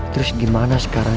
terus gimana sekarang